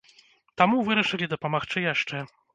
Таму вырашылі дапамагчы яшчэ.